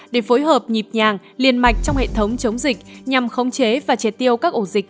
để phối hợp nhịp nhàng liên mạch trong hệ thống chống dịch